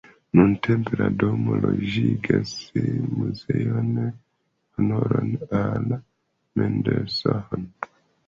Nuntempe la domo loĝigas muzeon honore al Mendelssohn.